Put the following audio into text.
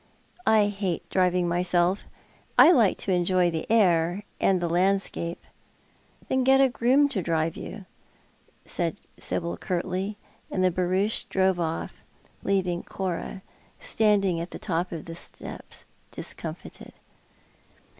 "I hate driving myself. I like to enjoy the air, and the landscape." " Then get a groom to drive you," said Sibyl curtly, and the barouche drove off, leaving Cora standing at the top of the steps discomfited.